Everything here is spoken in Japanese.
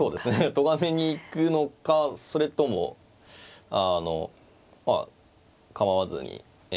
とがめに行くのかそれとも構わずに。